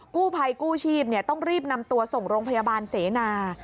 กู้ภัยกู้ชีพต้องรีบนำตัวส่งโรงพยาบาลเสนา